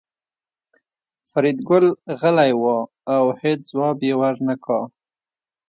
فریدګل غلی و او هېڅ ځواب یې ورنکړ